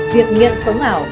việc nghiện sống ảo